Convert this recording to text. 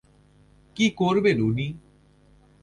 কী করবেন উনি?